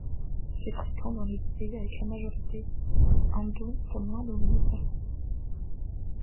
C'est fréquent dans les pays avec une majorité hindoue, comme l'Inde ou le Népal.